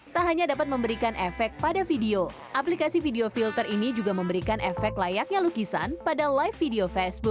tak hanya dapat memberikan efek pada video aplikasi video filter ini juga memberikan efek layaknya lukisan pada live video facebook